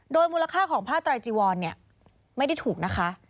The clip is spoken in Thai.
โดนมูลค่าของผ้าไตรจิวรไม่ได้ถูกนะคะ